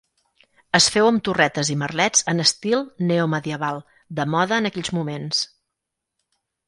Es féu amb torretes i merlets en estil neomedieval, de moda en aquells moments.